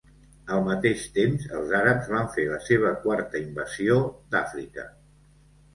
Al mateix temps els àrabs van fer la seva quarta invasió d'Àfrica.